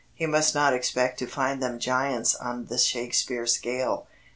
He must not expect to find them giants on the Shakespeare scale.